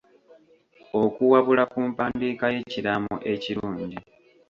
Okuwabula ku mpandiika y'ekiraamo ekirungi.